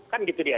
kan gitu dia